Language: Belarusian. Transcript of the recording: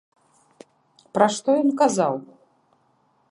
Пра што ён казаў?